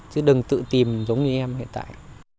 chứ đừng tự tìm giống như em hiện tại